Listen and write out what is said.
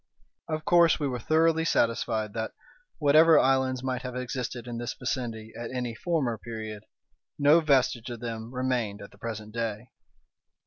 Of course we were thoroughly satisfied that, whatever islands might have existed in this vicinity at any former period, no vestige of them remained at the present day.